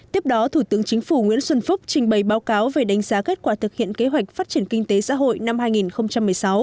tiếp đó thủ tướng chính phủ nguyễn xuân phúc trình bày báo cáo về đánh giá kết quả thực hiện kế hoạch phát triển kinh tế xã hội năm hai nghìn một mươi sáu